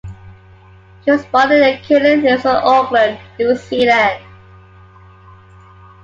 She was born in and currently lives in Auckland, New Zealand.